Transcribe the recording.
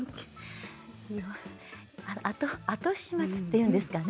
後始末っていうんですかね